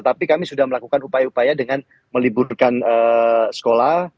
tapi kami sudah melakukan upaya upaya dengan meliburkan sekolah